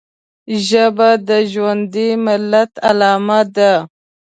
ژبه د ژوندي ملت علامه ده